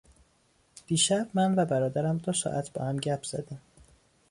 دیشب من و برادرم دو ساعت با هم گپ زدیم.